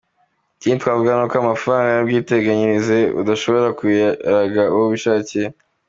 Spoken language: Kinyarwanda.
Ikindi twavuga, ni uko amafaranga y’ubwiteganyirize udashobora kuyaraga uwo wishakiye.